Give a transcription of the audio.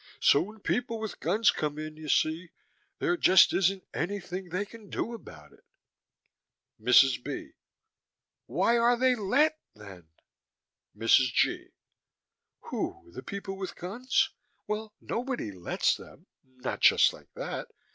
So when people with guns come in, you see, there just isn't anything they can do about it. MRS. B.: Why are they let, then? MRS. G.: Who, the people with guns? Well, nobody lets them, not just like that.